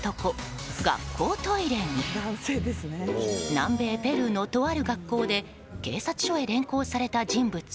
南米ペルーのとある学校で警察署へ連行された人物。